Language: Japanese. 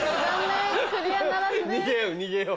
逃げよう逃げよう。